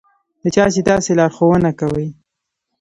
د چا چې تاسې لارښوونه کوئ.